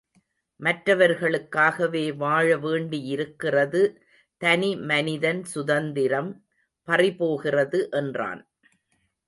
மற்றவர்களுக்காவே வாழ வேண்டியிருக்கிறது தனி மனிதன் சுதந்திரம் பறிபோகிறது என்றான்.